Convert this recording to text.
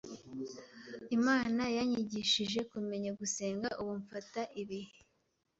Imana yanyigishije kumenya gusenga ubu mfata ibihe